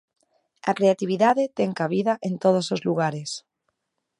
A creatividade ten cabida en todos os lugares.